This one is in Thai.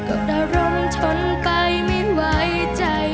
ก็ได้ร่มชนไปไม่ไหวใจ